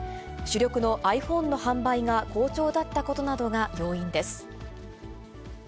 主力のｉＰｈｏｎｅの販売が好調だったことなどが要因です。